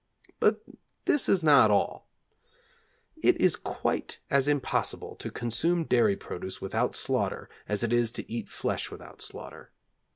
But this is not all. It is quite as impossible to consume dairy produce without slaughter as it is to eat flesh without slaughter.